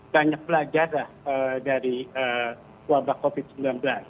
banyak pelajar dari wabah covid sembilan belas